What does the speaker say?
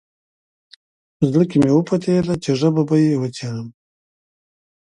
په زړه کې مې وپتېیله چې ژبه به یې وڅېړم.